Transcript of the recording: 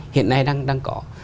hiện nay đang có